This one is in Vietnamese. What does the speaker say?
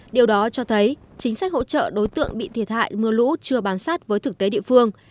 điều đó cho thấy chính sách hỗ trợ đối tượng bị thiệt hại mưa lũ chưa bám sát với thực tế địa phương